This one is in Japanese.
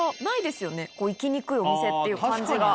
行きにくいお店っていう感じが。